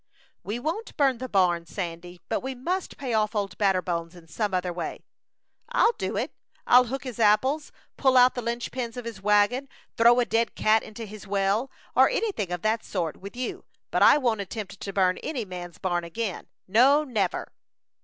"We won't burn the barn, Sandy, but we must pay off Old Batterbones in some other way." "I'll do it. I'll hook his apples, pull out the linchpins of his wagon, throw a dead cat into his well, or any thing of that sort, with you, but I won't attempt to burn any man's barn again. No, never!"